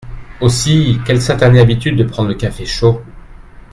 Aussi, quelle satanée habitude de prendre le café chaud !